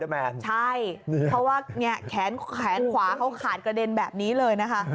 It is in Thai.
ใช่เพราะว่าแขนขวาเขาขาดกระเด็นแบบนี้เลยนะคะ